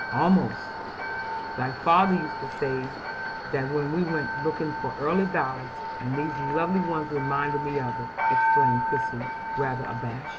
"Almost; my father used to say that when we went looking for early violets, and these lovely ones reminded me of it," explained Christie, rather abashed.